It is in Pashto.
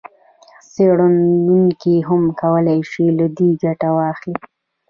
څېړونکي هم کولای شي له دې ګټه واخلي.